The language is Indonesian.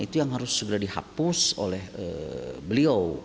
itu yang harus segera dihapus oleh beliau